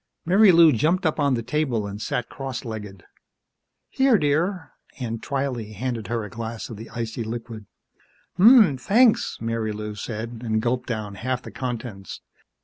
Marilou jumped up on the table and sat cross legged. "Here, dear." Aunt Twylee handed her a glass of the icy liquid. "Ummm, thanks," Marilou said, and gulped down half the contents.